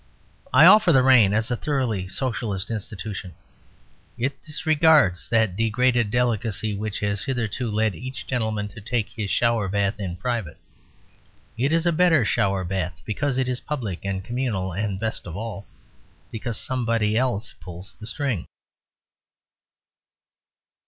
I offer the rain as a thoroughly Socialistic institution. It disregards that degraded delicacy which has hitherto led each gentleman to take his shower bath in private. It is a better shower bath, because it is public and communal; and, best of all, because somebody else pulls the string.